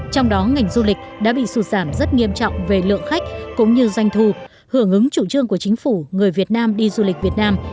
trong đó ngành du lịch đã bị sụt giảm rất nghiêm trọng về lượng khách cũng như doanh thu hưởng ứng chủ trương của chính phủ người việt nam đi du lịch việt nam